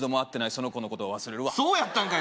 その子のこと忘れるわそうやったんかい